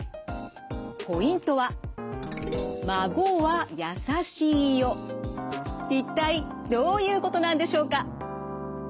ポイントは一体どういうことなんでしょうか。